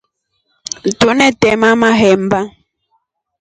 Tunetema mahemba.